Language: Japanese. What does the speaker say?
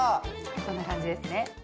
こんな感じですね。